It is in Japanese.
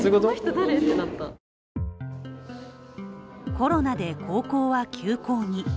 コロナで高校は休校に。